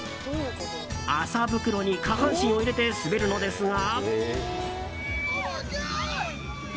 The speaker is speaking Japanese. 麻袋に下半身を入れて滑るのですが。